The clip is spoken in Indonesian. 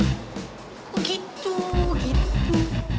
oh gitu gitu